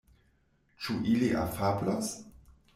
Ĉu ili afablos?